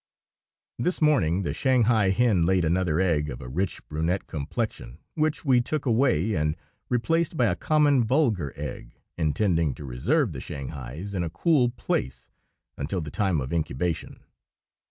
_This morning the Shanghai hen laid another egg, of a rich brunette complexion, which we took away, and replaced by a common vulgar egg, intending to reserve the Shanghai's in a cool place until the time of incubation.